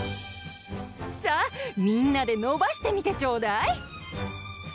さあみんなでのばしてみてちょうだい！